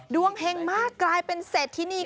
ดวงเห็งมากกลายเป็นเสร็จที่นี่